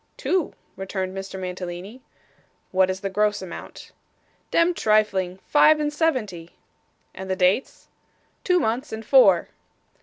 'Two,' returned Mr. Mantalini. 'What is the gross amount?' 'Demd trifling five and seventy.' 'And the dates?' 'Two months, and four.